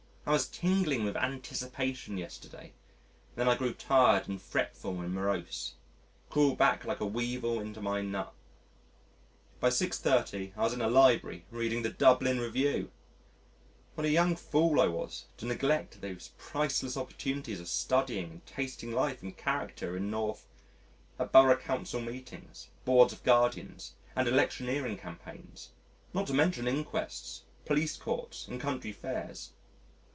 I was tingling with anticipation yesterday and then I grew tired and fretful and morose, crawled back like a weevil into my nut. By 6.30 I was in a Library reading the Dublin Review! What a young fool I was to neglect those priceless opportunities of studying and tasting life and character in North , at Borough Council meetings, Boards of Guardians, and electioneering campaigns not to mention inquests, police courts, and country fairs.